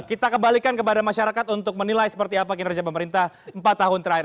kita kembalikan kepada masyarakat untuk menilai seperti apa kinerja pemerintah empat tahun terakhir